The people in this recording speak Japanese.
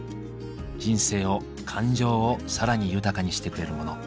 人生を感情を更に豊かにしてくれるモノ。